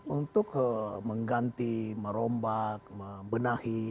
untuk mengganti merombak membenahi